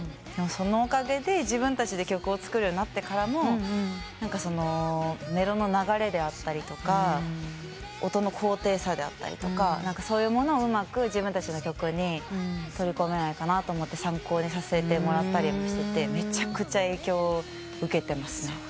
そのおかげで自分たちで曲を作るようになってからもメロの流れであったりとか音の高低差であったりとかそういうものをうまく自分たちの曲に取り込めないかなと思って参考にさせてもらったりもしてめちゃくちゃ影響を受けてますね。